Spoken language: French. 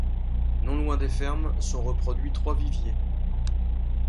Non loin des fermes, sont reproduits trois viviers.